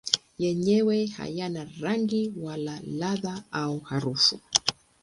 Yenyewe hayana rangi wala ladha au harufu.